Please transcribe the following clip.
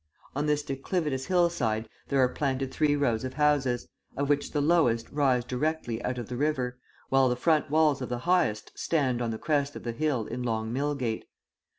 On this declivitous hillside there are planted three rows of houses, of which the lowest rise directly out of the river, while the front walls of the highest stand on the crest of the hill in Long Millgate.